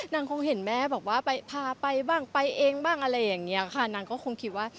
นางคงเห็นแม่บอกว่าไปพาไปบ้างไปเองบ้างอะไรอย่างเงี้ยค่ะนางก็คงคิดว่า